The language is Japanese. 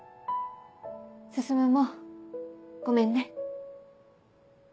進もごめんね。